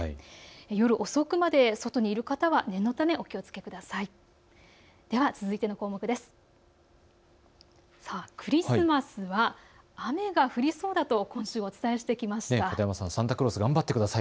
夜遅くまで外にいる方は念のためお気をつけください。